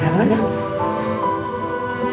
tenang ya ayah